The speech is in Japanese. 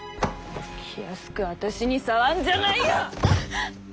気安くあたしに触んじゃないよ！